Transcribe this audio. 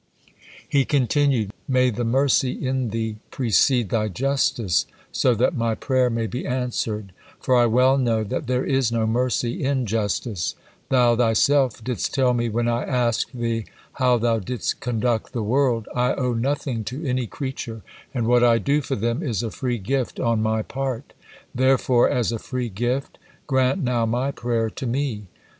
He continued: "May the mercy in Thee precede Thy justice, so that my prayer may be answered, for I well know that 'there is no mercy in justice,' Thou Thyself didst tell me when I asked Thee how Thou didst conduct the world, 'I owe nothing to any creature, and what I do for them is a free gift on My part,' therefore as a free gift, grant now my prayer to me.